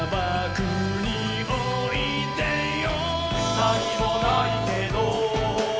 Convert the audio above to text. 「なにもないけど」